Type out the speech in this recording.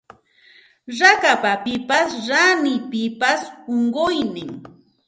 Rakapapas lanipapas unquynin